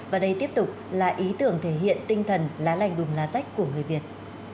và đây tiếp tục là ý tưởng thể hiện tinh thần lá lành đùm lá rách của người việt